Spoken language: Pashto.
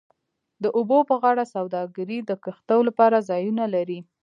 د اوبو پر غاړه سوداګرۍ د کښتیو لپاره ځایونه لري